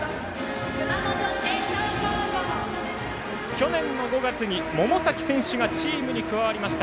去年の５月に百崎選手がチームに加わりました。